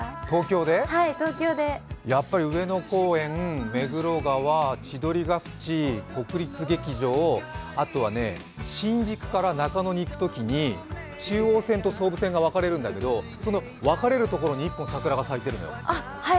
東京でやっぱり上野公園、目黒川千鳥ヶ淵、国立劇場、あとはね、新宿から中野に行くときに中央線と総武線が分かれるんだけどその別れるところに１本、桜が咲いてるのよ。